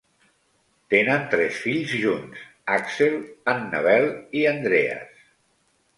Tenen tres fills junts, Aksel, Annabelle i Andreas.